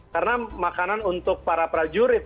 karena makanan untuk para prajurit